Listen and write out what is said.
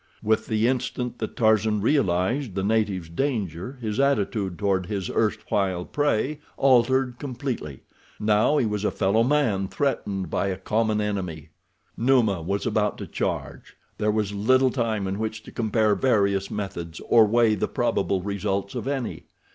With the instant that Tarzan realized the native's danger his attitude toward his erstwhile prey altered completely—now he was a fellow man threatened by a common enemy. Numa was about to charge—there was little time in which to compare various methods or weigh the probable results of any.